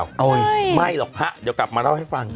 ไม่หรอกพระเดี๋ยวกลับมาเล่าให้ฟัง